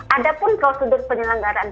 ada pun prosedur penyelenggaraan